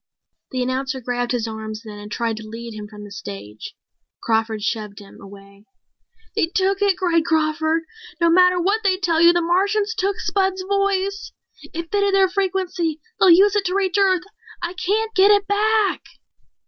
The announcer grabbed his arms then and tried to lead him from the stage. Crawford shoved him away. "They took it," cried Crawford. "No matter what they tell you, the Martians took Spud's voice. It fitted their frequency. They'll use it to reach Earth! I can't get it back!"